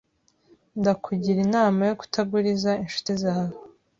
Ndakugira inama yo kutaguriza inshuti zawe.